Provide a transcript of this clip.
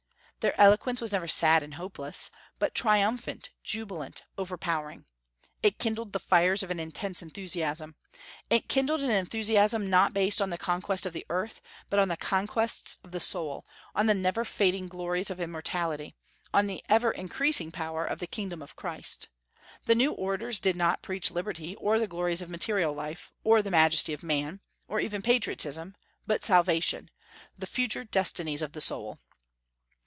Their eloquence was never sad and hopeless, but triumphant, jubilant, overpowering. It kindled the fires of an intense enthusiasm. It kindled an enthusiasm not based on the conquest of the earth, but on the conquests of the soul, on the never fading glories of immortality, on the ever increasing power of the kingdom of Christ. The new orators did not preach liberty, or the glories of material life, or the majesty of man, or even patriotism, but Salvation, the future destinies of the soul.